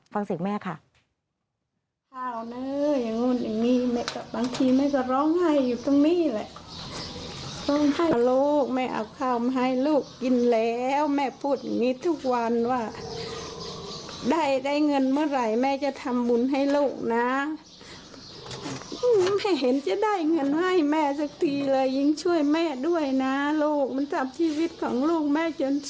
ฟังเสียงแม่ค่ะ